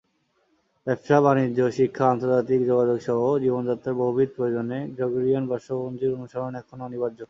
ব্যবসা-বাণিজ্য, শিক্ষা, আন্তর্জাতিক যোগাযোগসহ জীবনযাত্রার বহুবিধ প্রয়োজনে গ্রেগরিয়ান বর্ষপঞ্জির অনুসরণ এখন অনিবার্য।